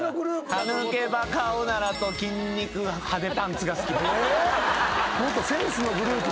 歯抜けバカおならと筋肉派手パンツが好き。